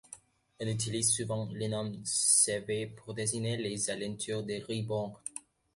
On utilise souvent le nom de cette baie pour désigner les alentours de Gisborne.